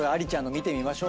見ていきましょう。